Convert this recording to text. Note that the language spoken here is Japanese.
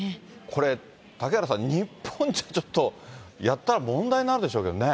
これ、嵩原さん、日本じゃちょっと、やったら問題になるでしょうけどね。